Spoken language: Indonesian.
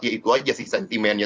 ya itu aja sih sentimennya